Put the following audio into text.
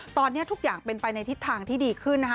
ตอนนี้ทุกอย่างเป็นไปในทิศทางที่ดีขึ้นนะคะ